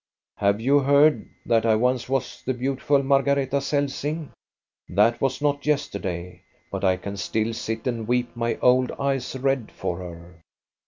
"Have you heard that I once was the beautiful Margareta Celsing? That was not yesterday, but I can still sit and weep my old eyes red for her.